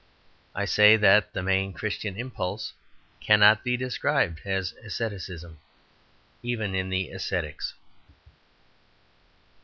I say that the main Christian impulse cannot be described as asceticism, even in the ascetics.